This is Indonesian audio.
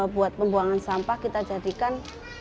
buat pembuangan sampah kita jadikan